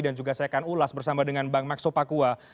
dan juga saya akan ulas bersama dengan bang maxo pakua